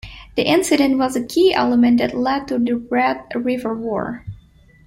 The incident was a key element that led to the Red River War.